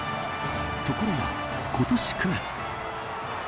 ところが今年９月。